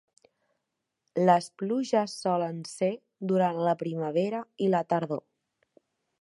Les pluges solen ser durant la primavera i la tardor.